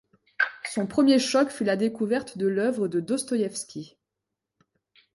Son premier choc fut la découverte de l’œuvre de Dostoïevski.